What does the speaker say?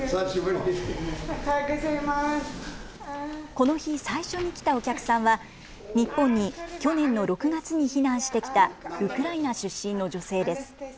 この日、最初に来たお客さんは日本に去年の６月に避難してきたウクライナ出身の女性です。